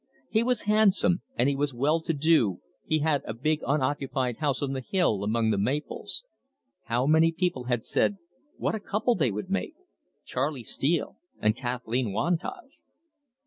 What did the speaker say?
He was handsome, and he was well to do he had a big unoccupied house on the hill among the maples. How many people had said, What a couple they would make Charley Steele and Kathleen Wantage!